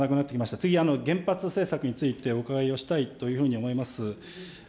次、原発政策についてお伺いをしたいというふうに思います。